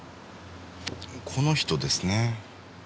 この人ですね。